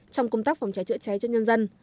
trong công tác phòng cháy chữa cháy cho nhân dân